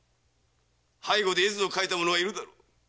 背後で絵図を描いた者がいるだろう？